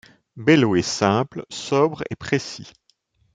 Bello est simple, sobre et précis.